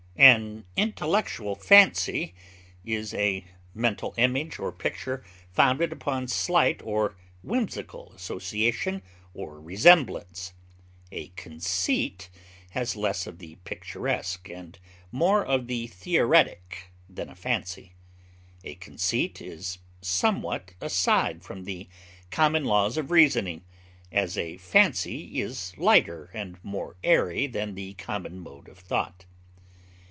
An intellectual fancy is a mental image or picture founded upon slight or whimsical association or resemblance; a conceit has less of the picturesque and more of the theoretic than a fancy; a conceit is somewhat aside from the common laws of reasoning, as a fancy is lighter and more airy than the common mode of thought.